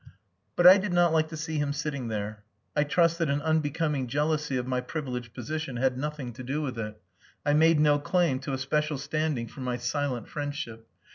But I did not like to see him sitting there. I trust that an unbecoming jealousy of my privileged position had nothing to do with it. I made no claim to a special standing for my silent friendship.